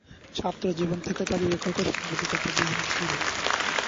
ছাত্রজীবন থেকে তার লেখক ও সাংবাদিকতা জীবনের শুরু।